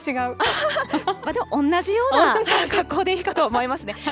でも同じような格好でいいかと思いますね。